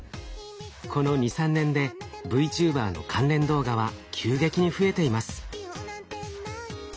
この２３年でＶＴｕｂｅｒの関連動画は急激に増えています。